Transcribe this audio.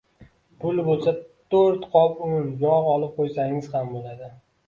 Pul boʻlsa toʻrt qop un, yogʻ olib qoʻysangiz ham boʻladi..